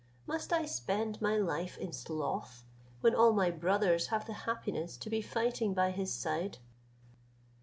Must I spend my life in sloth, when all my brothers have the happiness to be fighting by his side?"